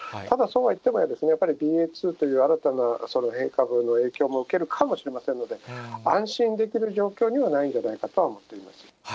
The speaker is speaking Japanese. ただそうはいっても、やっぱりＢＡ．２という新たな変異株の影響も受けるかもしれませんので、安心できる状況にはないんじゃないかとは思っています。